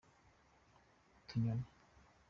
utunyoni.